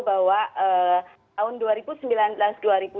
bahwa tahun dua ribu sembilan belas dua ribu dua puluh